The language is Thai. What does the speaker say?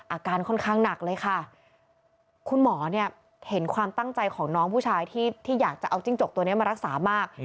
อาการค่อนข้างหนักเลยค่ะคุณหมอเนี่ยเห็นความตั้งใจของน้องผู้ชายที่อยากจะเอาจิ้งจกตัวนี้มารักษามาก